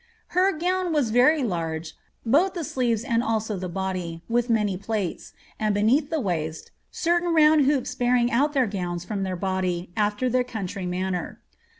^ Her gown was very large, both the si and also the body, with many plaits ; and beneath the waist, o round hoops bearing out their gowns from tlieir body after their coi manner."